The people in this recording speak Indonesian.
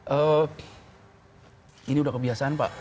eee ini sudah kebiasaan pak